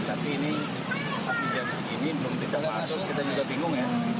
tapi ini tapi jam segini belum bisa masuk kita juga bingung ya